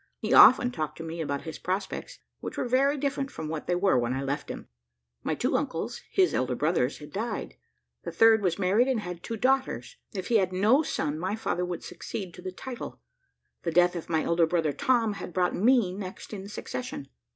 He often talked to me about his prospects, which were very different from what they were when I left him. My two uncles, his elder brothers, had died, the third was married and had two daughters. If he had no son my father would succeed to the title. The death of my elder brother Tom had brought me next in succession.